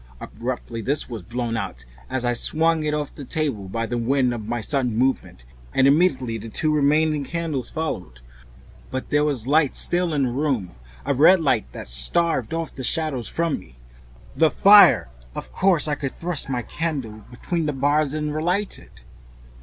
Abruptly this was blown out as I swung it off the table by the wind of my sudden movement, and immediately the two remaining candles followed. But there was light still in the room, a red light, that streamed across the ceiling and staved off the shadows from me. The fire! Of course I could still thrust my candle between the bars and relight it.